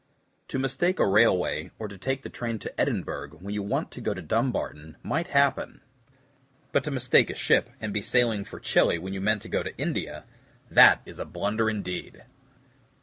To mistake a railway or to take the train to Edinburgh when you want to go to Dumbarton might happen; but to mistake a ship and be sailing for Chili when you meant to go to India that is a blunder indeed!